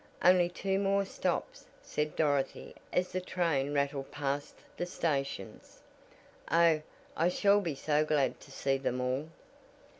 "Only two more stops," said Dorothy as the train rattled past the stations. "Oh, I shall be so glad to see them all."